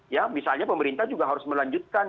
ya misalnya pemerintah juga harus melanjutkan